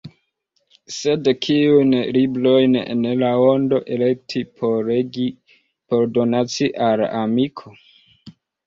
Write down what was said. Sed kiujn librojn el la ondo elekti por legi, por donaci al amiko?